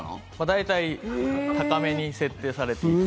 大体、高めに設定されていて。